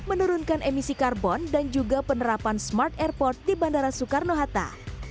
menurunkan emisi karbon dan juga penerapan smart airport di bandara soekarno hatta